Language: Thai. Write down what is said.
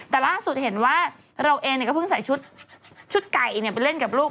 แต่ล่าสุดเห็นว่าเราเองก็เพิ่งใส่ชุดไก่ไปเล่นกับลูก